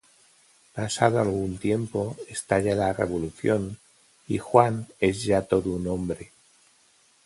Pasado algún tiempo estalla la Revolución y Juan es ya todo un hombre.